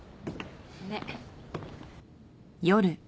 ねっ。